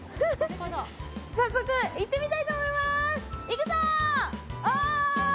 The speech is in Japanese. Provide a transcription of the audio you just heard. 早速、行ってみたいと思います。